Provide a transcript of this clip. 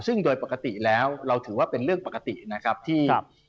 ซึ่งโดยปกติแล้วเราถือว่าเป็นเรื่องปกตินะครับที่